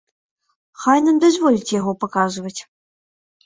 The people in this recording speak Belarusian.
Хай нам дазволяць яго паказваць.